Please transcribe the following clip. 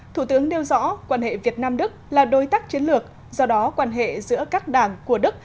thủ tướng đeo rõ quan hệ việt nam đức là đối tác chiến lược do đó quan hệ giữa các đảng của đức